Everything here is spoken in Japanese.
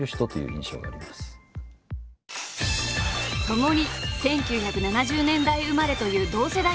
ともに１９７０年代生まれという同世代の２人。